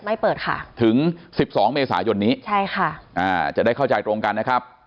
ไม่เปิดค่ะถึง๑๒เมษายนนี้ใช่ค่ะจะได้เข้าใจตรงกันนะครับ